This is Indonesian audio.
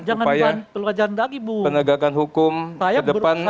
upaya penegakan hukum ke depan